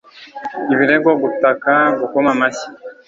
ibirego gutaka gukoma amashyi